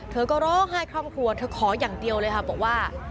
เธอก็ร้องไห้ครอบครัวเธอขออย่างเดียวเลยค่ะบอกว่า